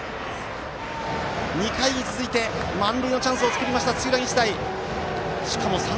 ２回に続いて満塁のチャンスを作りました、土浦日大。